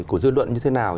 của dư luận như thế nào